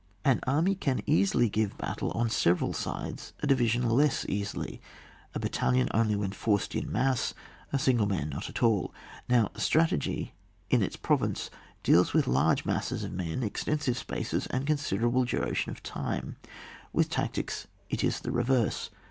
An army can easily give battle on several sides, a division less easily, a battalion only when formed in mass, a single man not at all. Now strategy, in its province, deals with large masses of men, extensive spaces, and con siderable duration of time ; with tactics, it is the reverse.